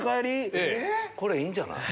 これいいんじゃない？